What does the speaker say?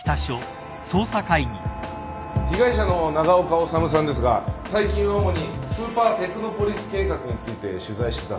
被害者の長岡修さんですが最近は主にスーパーテクノポリス計画について取材してたそうです。